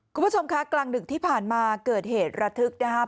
คุณผู้ชมคะกลางดึกที่ผ่านมาเกิดเหตุระทึกนะครับ